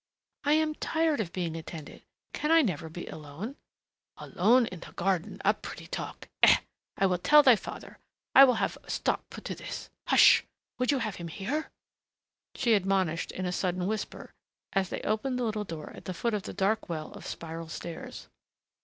"I am tired of being attended! Can I never be alone " "Alone in the garden!... A pretty talk! Eh, I will tell thy father, I will have a stop put to this hush, would you have him hear?" she admonished, in a sudden whisper, as they opened the little door at the foot of the dark well of spiral steps.